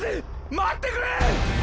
待ってくれーッ！！